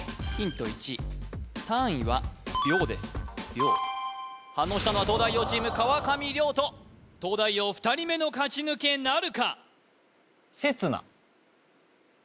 １単位は反応したのは東大王チーム川上諒人東大王２人目の勝ち抜けなるか？